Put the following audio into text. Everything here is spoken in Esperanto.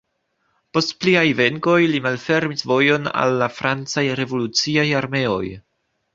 Post pliaj venkoj li malfermis vojon al la francaj revoluciaj armeoj.